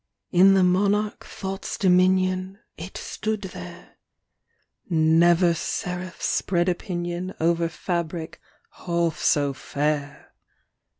In the monarch Thought's dominion It stood there! Never seraph spread a pinion Over fabric half so fair!